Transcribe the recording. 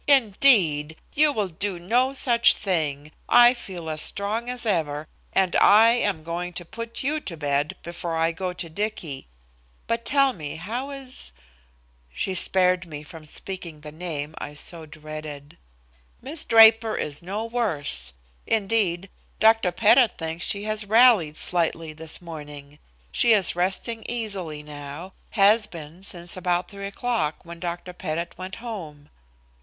"Indeed, you will do no such thing. I feel as strong as ever, and I am going to put you to bed before I go to Dicky. But tell me, how is " She spared me from speaking the name I so dreaded. "Miss Draper is no worse. Indeed, Dr. Pettit thinks she has rallied slightly this morning. She is resting easily now, has been since about 3 o'clock, when Dr. Pettit went home."